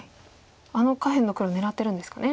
あの下辺の黒狙ってるんですかね。